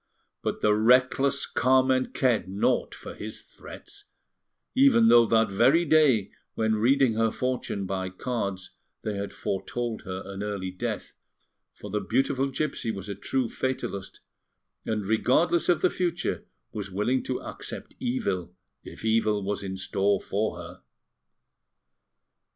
But the reckless Carmen cared naught for his threats, even though that very day, when reading her fortune by cards, they had foretold her an early death; for the beautiful gipsy was a true fatalist, and, regardless of the future, was willing to accept evil, if evil was in store for her.